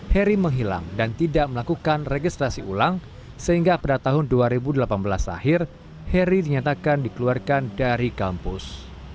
heri menghilang dan tidak melakukan registrasi ulang sehingga pada tahun dua ribu delapan belas akhir heri dinyatakan dikeluarkan dari kampus